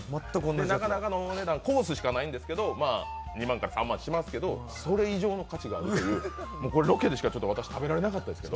なかなかのお値段コースしかないんですけど２万から３万しますけどそれ以上の価値があるというロケでしか私、食べられなかったですけど。